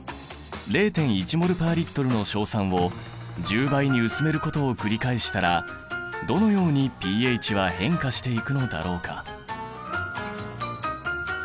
０．１ｍｏｌ／Ｌの硝酸を１０倍に薄めることを繰り返したらどのようにｐＨは変化していくのだろうか。